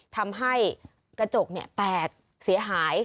ทำให้กระจกแตกเสียหาย